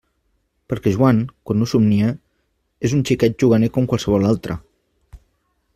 Perquè Joan, quan no somnia, és un xiquet juganer com qualsevol altre.